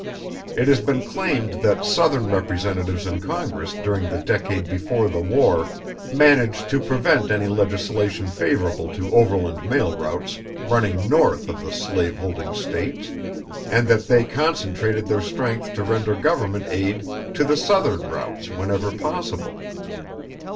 It has been claimed that southern representatives in Congress during the decade before the war managed to prevent any legislation favorable to overland mail routes running North of the slave holding states; and that they concentrated their strength to render government aid to the southern routes whenever possible.